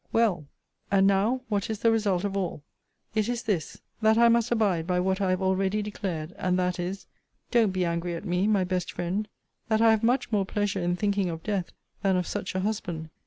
'*Well, and now, what is the result of all? It is this that I must abide by what I have already declared and that is, [don't be angry at me, my best friend,] that I have much more pleasure in thinking of death, than of such a husband.